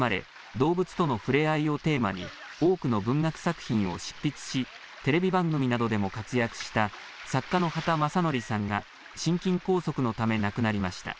動物との触れ合いをテーマに多くの文学作品を執筆しテレビ番組などでも活躍した作家の畑正憲さんが心筋梗塞のため亡くなりました。